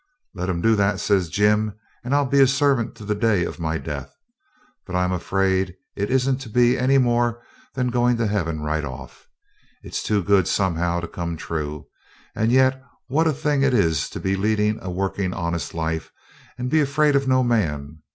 'Let him do that,' says Jim, 'and I'll be his servant to the day of my death. But I'm afeard it isn't to be any more than going to heaven right off. It's too good, somehow, to come true; and yet what a thing it is to be leading a working honest life and be afraid of no man!